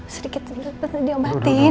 sedikit sedikit diobatin